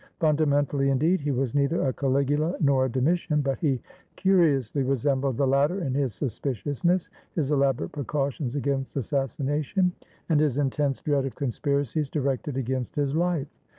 Fundamentally, indeed, he was neither a Caligula nor a Domitian, but he curiously resembled the latter in his suspiciousness, his elaborate precautions against assassination, and his intense dread of conspiracies directed against his Hfe.